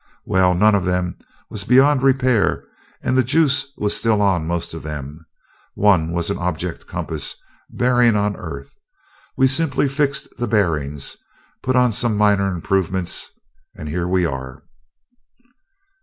"Well, none of them was beyond repair and the juice was still on most of them. One was an object compass bearing on the Earth. We simply fixed the bearings, put on some minor improvements, and here we are."